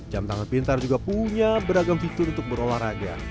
jam tangan pintar juga punya beragam fitur untuk berolahraga